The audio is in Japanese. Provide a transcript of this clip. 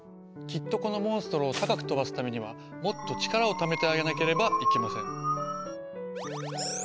きっとこのモンストロを高く飛ばすためにはもっと力をためてあげなければいけません。